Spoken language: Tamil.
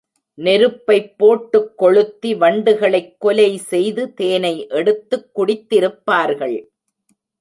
நெருப்பைப் போட்டுக் கொளுத்தி, வண்டுகளைக் கொலை செய்து தேனை எடுத்துக் குடித்திருப்பார்கள்.